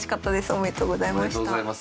おめでとうございます。